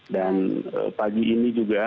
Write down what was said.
dan pagi ini juga